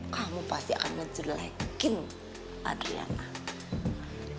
kamu pasti akan menjelekin adriana